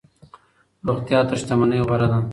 روغتیا تر شتمنۍ غوره ده.